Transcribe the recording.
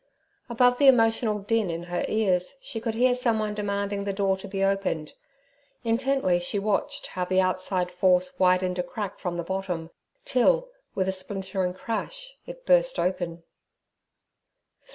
Above the emotional din in her ears she could hear someone demanding the door to be opened. Intently she watched how the outside force widened a crack from the bottom, till, with a splintering crash, it burst open.